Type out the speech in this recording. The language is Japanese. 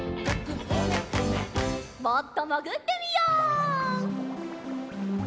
もっともぐってみよう。